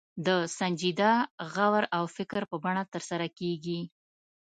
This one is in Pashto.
د سنجیده غور او فکر په بڼه ترسره کېږي.